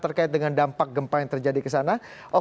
terkait dengan dampak gempa yang terjadi ke sana